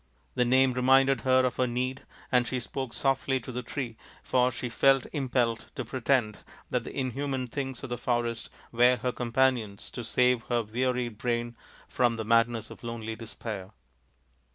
The name reminded her of her need, and she spoke softly to the tree, for she felt impelled to pretend that the inhuman things of the forest were her companions to save her wearied brain from the madness of .lonely despair.